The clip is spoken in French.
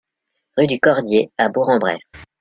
Rue du Cordier à Bourg-en-Bresse